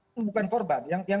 kan bukan korban